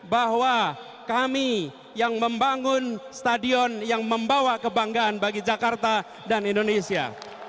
bahwa kami yang membangun stadion yang membawa kebanggaan bagi jakarta dan indonesia